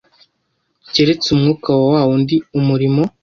keretse umwuka wa wa wundi umurimo